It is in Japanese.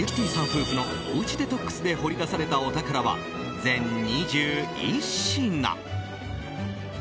夫婦のおうちデトックスで掘り出されたお宝は全２１品。